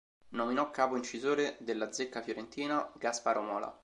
Nominò capo incisore della zecca fiorentina Gasparo Mola.